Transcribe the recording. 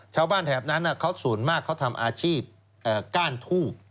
ชาวบ้านแถบนั้นเขาสูญมากเขาทำอาชีพก้านทูบ